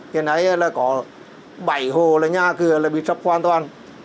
hiện nay là có bảy hồ là nhà cửa là bị sập hoàn toàn